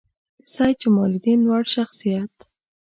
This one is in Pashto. د سیدجمالدین لوړ شخصیت